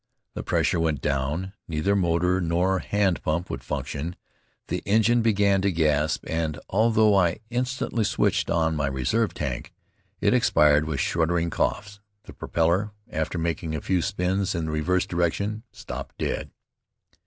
The pressure went down. Neither motor nor hand pump would function, the engine began to gasp, and, although I instantly switched on to my reserve tank, it expired with shuddering coughs. The propeller, after making a few spins in the reverse direction, stopped dead.